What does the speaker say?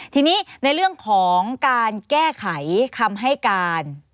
ทีนี้ในเรื่องของการแก้ไขคำให้การ